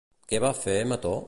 Què va fer Metó?